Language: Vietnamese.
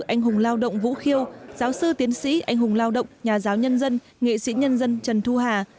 anh hùng lao động vũ khiêng giáo sư tiến sĩ anh hùng lao động nhà giáo nhân dân nghệ sĩ nhân dân trần thu hà